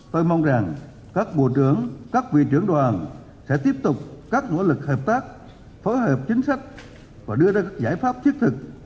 tôi mong rằng các bộ trưởng các vị trưởng đoàn sẽ tiếp tục các nỗ lực hợp tác phối hợp chính sách và đưa ra các giải pháp thiết thực